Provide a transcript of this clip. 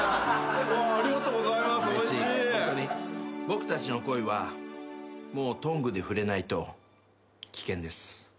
僕たちの恋はもうトングで触れないと危険です。